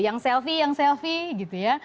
yang selfie yang selfie gitu ya